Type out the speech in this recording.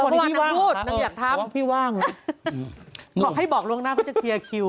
ขอให้บอกล่วงหน้าเค้าจะเคลียร์คิว